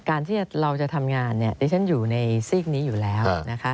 การที่เราจะทำงานเนี่ยดิฉันอยู่ในซีกนี้อยู่แล้วนะคะ